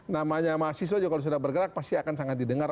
namanya mahasiswa juga kalau sudah bergerak pasti akan sangat didengar